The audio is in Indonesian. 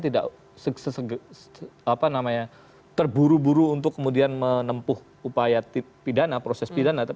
tidak terburu buru untuk kemudian menempuh upaya pidana proses pidana